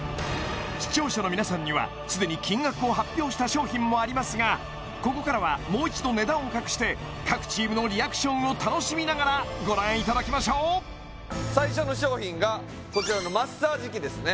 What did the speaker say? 視聴者の皆さんにはすでに金額を発表した商品もありますがここからはもう一度値段を隠して各チームのリアクションを楽しみながらご覧いただきましょう最初の商品がこちらのマッサージ器ですね